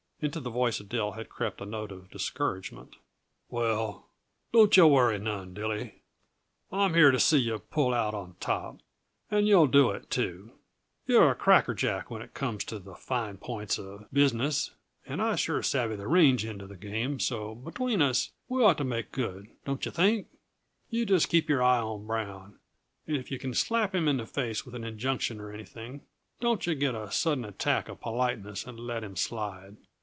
Into the voice of Dill had crept a note of discouragement. "Well, don't yuh worry none, Dilly. I'm here to see yuh pull out on top, and you'll do it, too. You're a crackerjack when it comes to the fine points uh business, and I sure savvy the range end uh the game, so between us we ought to make good, don't yuh think? You just keep your eye on Brown, and if yuh can slap him in the face with an injunction or anything, don't yuh get a sudden attack uh politeness and let him slide.